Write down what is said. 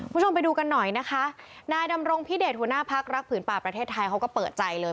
คุณผู้ชมไปดูกันหน่อยนะคะนายดำรงพิเดชหัวหน้าพักรักผืนป่าประเทศไทยเขาก็เปิดใจเลย